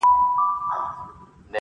بېګا خوب وینمه تاج پر سر باچا یم,